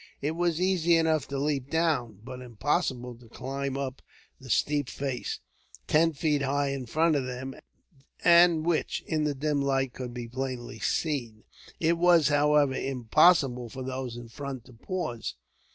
It was easy enough to leap down, but impossible to climb up the steep face, ten feet high, in front of them; and which, in the dim light, could be plainly seen. It was, however, impossible for those in front to pause.